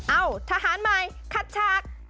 เอ้าทหารใหม่ขัดฉาก